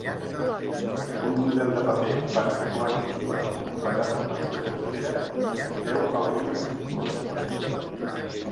Un model de paper particularment conegut basat en la pseudoesfera es deu a William Thurston.